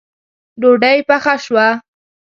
ډوډۍ پخه شوه